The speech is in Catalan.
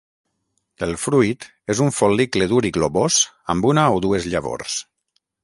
El fruit és un fol·licle dur i globós amb una o dues llavors.